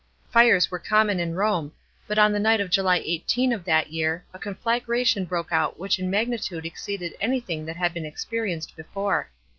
Fires were common in Eome, but on the night of July 18 of that year, a conflagration broke out which in magnitude exceeded anything that had been experienced before.